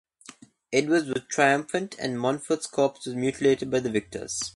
Edward was triumphant and Montfort's corpse was mutilated by the victors.